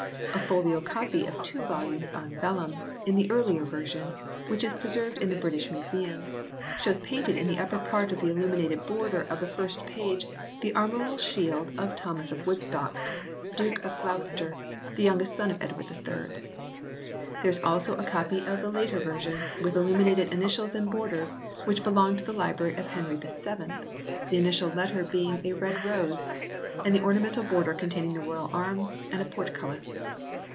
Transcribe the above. A folio copy of two volumes on vellum, in the earlier version, which is preserved in the British Museum, shows painted in the upper part of the illum inated border of the first page the armorial shield of Thomas of Woodstock, Duke of Gloucester, the youngest son of Edward III. There is also a copy of the later version, with illuminated initials and borders, which belonged to the library of Henry VII, the 26 HISTORY OF THE ENGLISH BIBLE [OH. initial letter being a red rose, and the ornamental border containing the royal arms and a portcullis.